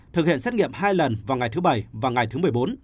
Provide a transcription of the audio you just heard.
thực hiện xét nghiệm hai lần vào ngày thứ bảy và ngày thứ một mươi bốn